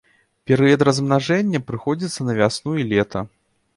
Перыяд размнажэння прыходзіцца на вясну і лета.